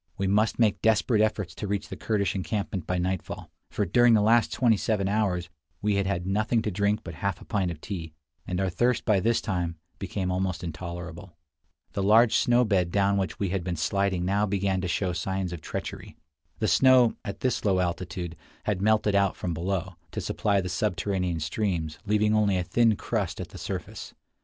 We must make desperate efforts to reach the Kurdish encampment by nightfall; for during the last twenty seven hours we had had nothing to drink but half a pint of tea, and our thirst by this time became almost intolerable. The large snow bed down which we had been sliding now began to show signs of treachery. The snow, at this low altitude, had melted out from below, to supply the subterranean streams, leaving only a thin crust at the surface.